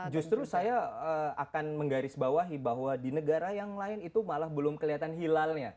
justru saya akan menggarisbawahi bahwa di negara yang lain itu malah belum kelihatan hilalnya